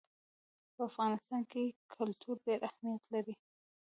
په افغانستان کې کلتور ډېر اهمیت لري.